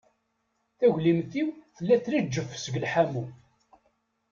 Taglimt-iw tella treǧǧef seg lḥamu.